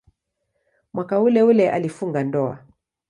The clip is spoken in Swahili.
Mwaka uleule alifunga ndoa.